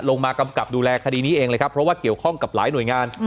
มากำกับดูแลคดีนี้เองเลยครับเพราะว่าเกี่ยวข้องกับหลายหน่วยงาน